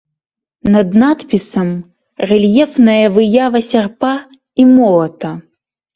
Над надпісам рэльефная выява сярпа і молата.